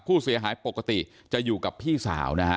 ผู้เสียหายปกติจะอยู่กับพี่สาวนะฮะ